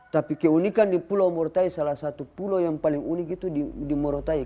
tapi keunikan di pulau murau taik salah satu pulau yang paling unik itu di murau taik